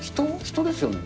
人ですよね。